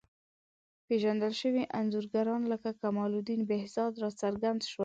پېژندل شوي انځورګران لکه کمال الدین بهزاد راڅرګند شول.